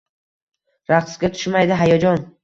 Raqsga tushmaydi hayajon